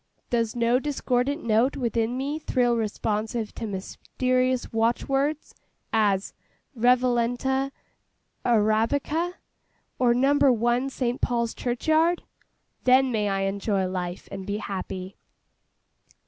Does no discordant note within me thrill responsive to mysterious watchwords, as 'Revalenta Arabica,' or 'Number One St. Paul's Churchyard'? Then may I enjoy life, and be happy.